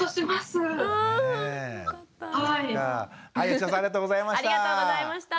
吉田さんありがとうございました。